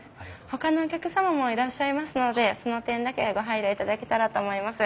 ほかのお客様もいらっしゃいますのでその点だけご配慮いただけたらと思います。